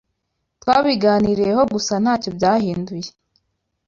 Twabiganiriyeho gusa ntacyo byahinduye.